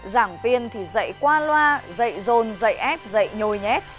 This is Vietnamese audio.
giảng viên thì dạy qua loa dạy dồn dạy ép dạy nhồi nhét